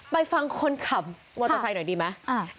ไปฟังคนขับมอเตอร์ไซค์หน่อยดีไหม